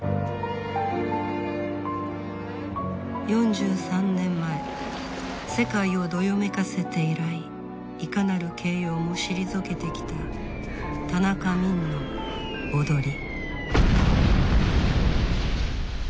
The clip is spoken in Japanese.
４３年前世界をどよめかせて以来いかなる形容も退けてきた田中泯の踊り